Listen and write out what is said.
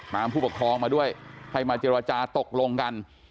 ผู้ปกครองมาด้วยให้มาเจรจาตกลงกัน